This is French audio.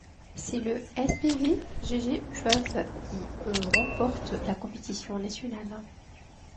C'est le SpVgg Furth qui remporte la compétition nationale.